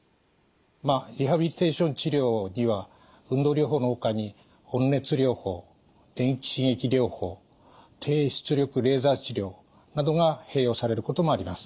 まあリハビリテーション治療には運動療法のほかに温熱療法電気刺激療法低出力レーザー治療などが併用されることもあります。